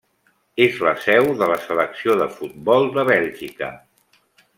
És la seu de la selecció de futbol de Bèlgica.